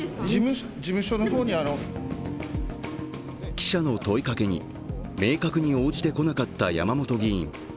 記者の問いかけに、明確に応じてこなかった山本議員。